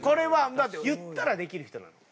だって言ったらできる人なのよ